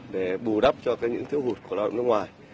để bù đắp cho những thiếu hụt của lao động nước ngoài